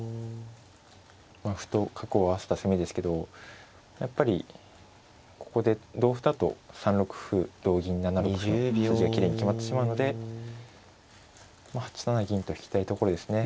歩と角を合わせた攻めですけどやっぱりここで同歩だと３六歩同銀７六歩の筋がきれいに決まってしまうので８七銀と引きたいところですね。